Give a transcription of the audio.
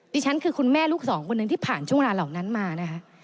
ดิฉันคือคุณแม่ลูกสองคนหนึ่งที่ผ่านช่วงเวลาเหล่านั้นมานะคะ